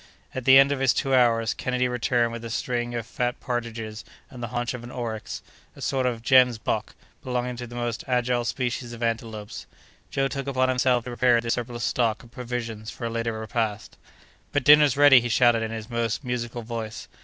At the end of his two hours, Kennedy returned with a string of fat partridges and the haunch of an oryx, a sort of gemsbok belonging to the most agile species of antelopes. Joe took upon himself to prepare this surplus stock of provisions for a later repast. "But, dinner's ready!" he shouted in his most musical voice.